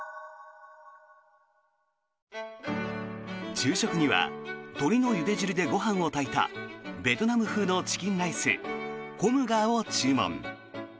昼食には鶏のゆで汁でご飯を炊いたベトナム風のチキンライスコムガーを注文。